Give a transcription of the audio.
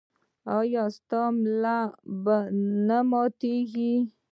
ایا ستاسو ملا به نه ماتیږي؟